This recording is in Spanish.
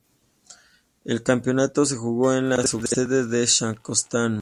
El campeonato se jugó en la subsede de Saskatoon.